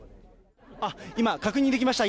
今、確認できました。